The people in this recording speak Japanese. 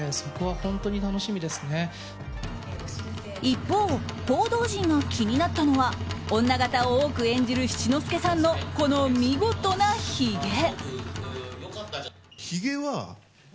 一方、報道陣が気になったのは女形を多く演じる七之助さんのこの見事なひげ。